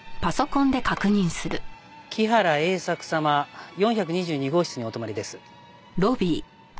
木原栄作様４２２号室にお泊まりです。